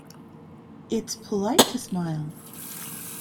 It's polite to smile.